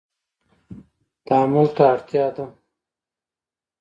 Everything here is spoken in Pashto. تعامل ته اړتیا ده